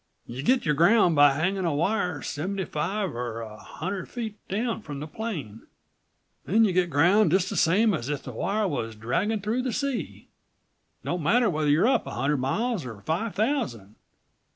"You git your ground by hanging a wire seventy five er a hundred feet down from the plane, then you get ground just the same as if the wire was dragging through the sea, don't matter whether128 you're up a hundred miles or five thousand.